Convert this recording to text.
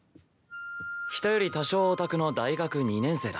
人より多少オタクの大学２年生だ。